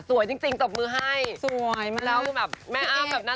สวยจริงจบมือให้แล้วแบบแม่อ้าวแบบน่ารักมากสวยมาก